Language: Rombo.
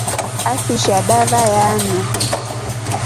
Afishia dava ya anywa.